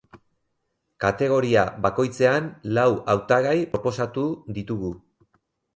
Kategoria bakoitzean lau hautagai proposatu ditugu.